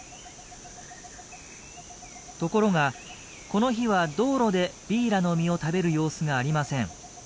ところがこの日は道路でビーラの実を食べる様子がありません。